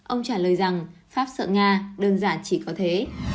ông trả lời rằng pháp sợ nga đơn giản chỉ có thế